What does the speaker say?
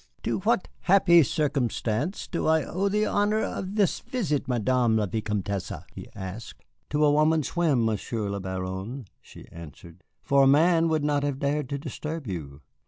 "To what happy circumstance do I owe the honor of this visit, Madame la Vicomtesse?" he asked. "To a woman's whim, Monsieur le Baron," she answered, "for a man would not have dared to disturb you.